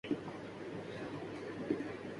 Cement کیلئے صرف limestone ہی نہیں چاہیے۔